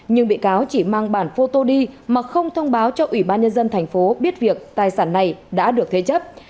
nhưng bị cáo chỉ mang bản photo đi mà không thông báo cho ủy ban nhân dân thành phố biết việc tài sản này đã được thê chấp